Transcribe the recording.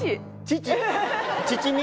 父！？